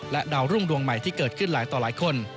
ดาวรุ่งดวงใหม่ที่เกิดขึ้นหลายต่อหลายคน